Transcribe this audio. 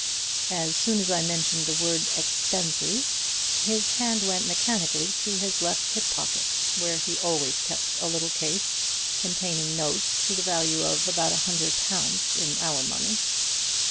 As soon as I mentioned the word 'expenses' his hand went mechanically to his left hip pocket, where he always kept a little case containing notes to the value of about a hundred pounds in our money.